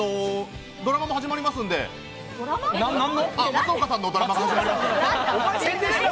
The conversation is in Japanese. ドラマも始まりますんで、松岡さんのドラマが。